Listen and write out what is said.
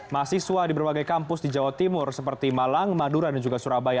mahasiswa di berbagai kampus di jawa timur seperti malang madura dan juga surabaya